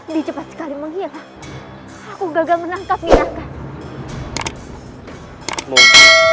dia cepat sekali menghilang aku gagal menangkapnya